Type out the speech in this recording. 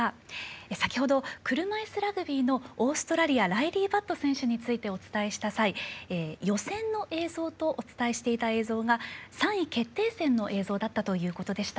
先ほど車いすラグビーのオーストラリアのライリー・バット選手についてお伝えした際、予選の映像とお伝えしていた映像が３位決定戦の映像だったということでした。